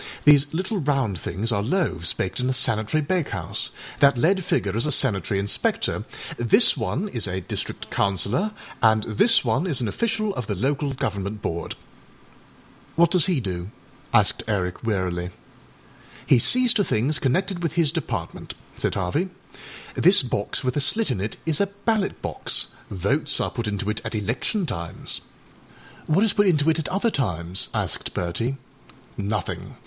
These little round things are loaves baked in a sanitary bakehouse. That lead figure is a sanitary inspector, this one is a district councillor, and this one is an official of the Local Government Board.â âWhat does he do?â asked Eric wearily. âHe sees to things connected with his Department,â said Harvey. âThis box with a slit in it is a ballot box. Votes are put into it at election times.â âWhat is put into it at other times?â asked Bertie. âNothing.